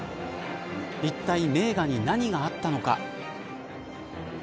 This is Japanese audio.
いったい名画に何があったのか。